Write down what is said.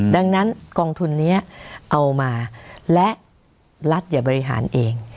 ดังนั้นกองทุนนี้เอามาและรัฐอย่าบริหารเอง